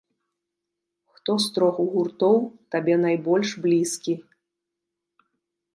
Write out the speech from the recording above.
Хто з трох гуртоў табе найбольш блізкі?